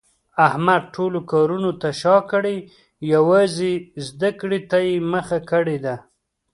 احمد ټولو کارونو ته شاکړې یووازې زده کړې ته یې مخه کړې ده.